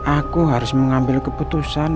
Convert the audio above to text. aku harus mengambil keputusan